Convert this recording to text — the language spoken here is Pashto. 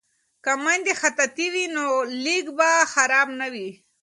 که میندې خطاطې وي نو لیک به خراب نه وي.